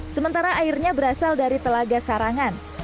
sementara airnya berasal dari telaga sarangan